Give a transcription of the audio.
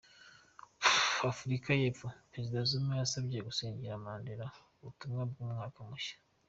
Afurika y’epfo: Perezida Zuma yasabye gusengera Mandela mu butumwa bw’umwaka mushya